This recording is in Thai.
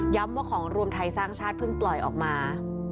ว่าของรวมไทยสร้างชาติเพิ่งปล่อยออกมา